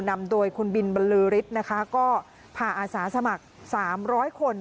นำโดยคุณบินบรรลือฤทธิ์นะคะก็พาอาสาสมัคร๓๐๐คน